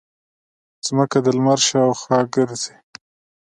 ځمکه د لمر شاوخوا ګرځي